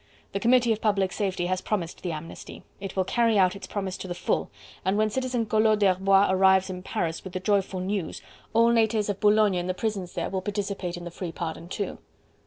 The Committee of Public Safety has promised the amnesty: it will carry out its promise to the full, and when Citizen Collot d'Herbois arrives in Paris with the joyful news, all natives of Boulogne in the prisons there will participate in the free pardon too."